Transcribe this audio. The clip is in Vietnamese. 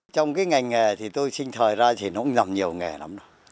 trong cái ngành nghề thì tôi sinh thời ra thì nó cũng làm nhiều nghề lắm